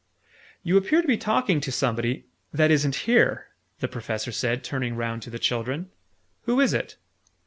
"You appear to be talking to somebody that isn't here," the Professor said, turning round to the children. "Who is it?"